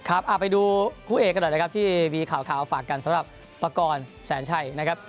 ครับไปดูคู่เอกกันหน่อยนะครับที่มีข่าวฝากกันสำหรับประกอบแสนชัยนะครับ